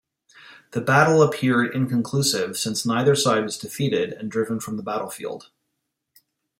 The battle appeared inconclusive, since neither side was defeated and driven from the battlefield.